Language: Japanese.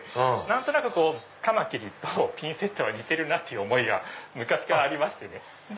何となくカマキリとピンセットは似てるなっていう思いが昔からありまして。